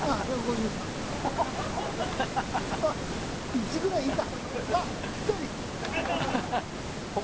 １くらいいいか。